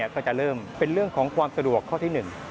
ก็จะเริ่มเป็นเรื่องของความสะดวกข้อที่๑